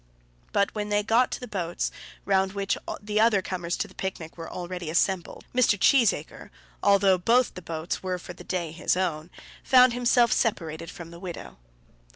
But when they got to the boats, round which the other comers to the picnic were already assembled, Mr. Cheesacre, although both the boats were for the day his own, found himself separated from the widow.